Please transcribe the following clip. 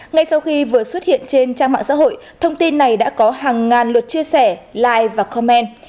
ngay sau khi vừa xuất hiện trên trang mạng xã hội thông tin này đã có hàng ngàn luật chia sẻ like và comment